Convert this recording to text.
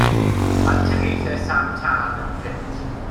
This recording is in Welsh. Anturiaethau Sam Tân mewn print.